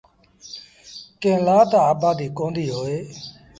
ڪݩهݩ لآ تا آبآديٚ ڪونديٚ هوئي۔